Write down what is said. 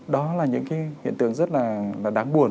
đó là những hiện tượng rất là đáng buồn